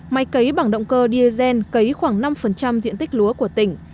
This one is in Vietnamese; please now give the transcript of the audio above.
máy cấy bằng động cơ diesel cấy khoảng năm diện tích lúa của tỉnh